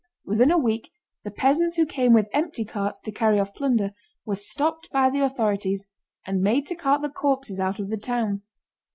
Within a week the peasants who came with empty carts to carry off plunder were stopped by the authorities and made to cart the corpses out of the town.